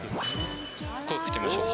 声かけてみましょう。